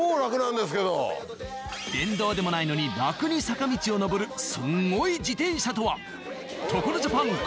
電動でもないのに楽に坂道を上るすごい自転車とは。